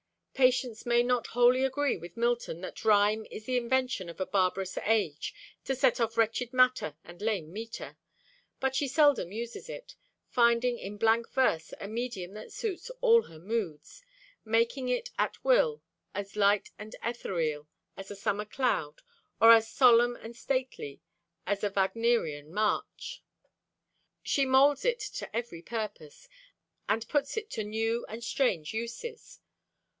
Patience may not wholly agree with Milton that rhyme "is the invention of a barbarous age to set off wretched matter and lame metre," but she seldom uses it, finding in blank verse a medium that suits all her moods, making it at will as light and ethereal as a summer cloud or as solemn and stately as a Wagnerian march. She molds it to every purpose, and puts it to new and strange uses.